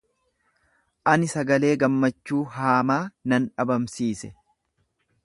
Ani sagalee gammachuu haamaa nan dhabamsiise.